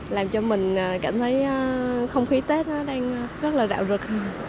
làm cho mình cảm thấy không khí tết nó đang rất là rạo rực